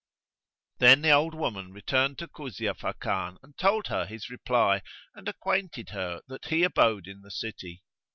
" Then the old woman returned to Kuzia Fakan and told her his reply and acquainted her that he abode in the city.